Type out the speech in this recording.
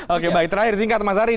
oke baik terakhir singkat mas ari